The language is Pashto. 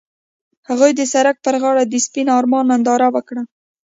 هغوی د سړک پر غاړه د سپین آرمان ننداره وکړه.